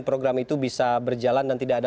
program itu bisa berjalan dan tidak ada